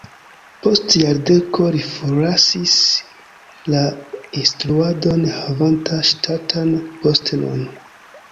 Post jardeko li forlasis la instruadon havanta ŝtatan postenon.